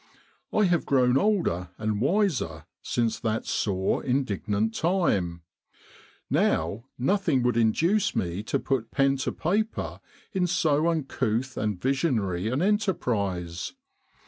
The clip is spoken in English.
I have grown older and wiser since that sore, indignant time. Now nothing would induce me to put pen to paper in so uncouth and visionary an enterprise.